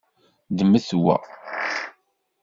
Ddmet wa.